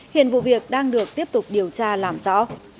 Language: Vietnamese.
hiện vụ việc đang được tiếp tục điều tra làm rõ